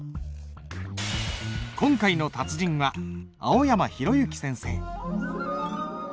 今回の達人は青山浩之先生。